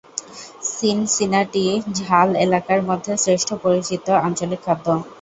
Cincinnati ঝাল এলাকার মধ্যে "শ্রেষ্ঠ পরিচিত আঞ্চলিক খাদ্য"।